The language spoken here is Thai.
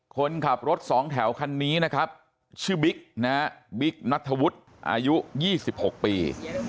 คนขับรถสองแถวขันนี้ชื่อบิ๊กต์แนนวิกนัทวุทธ์อายุ๒๖ปี